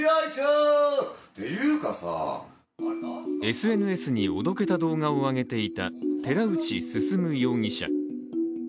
ＳＮＳに、おどけた動画をあげていた寺内進容疑者。